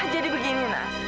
jadi begini na